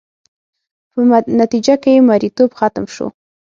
په نتیجه کې یې مریتوب ختم شو.